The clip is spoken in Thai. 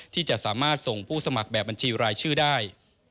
ที่จะสามารถส่งผู้สมัครแบบบัญชีรายชื่อได้